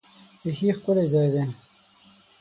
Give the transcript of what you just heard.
بیخي ښکلی ځای دی .